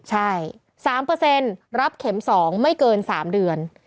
ใช่๓รับเข็ม๒ไม่เกิน๓เดือน